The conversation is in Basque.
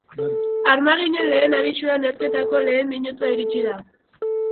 Armaginen lehen abisua neurketako lehen minutua iritsi da.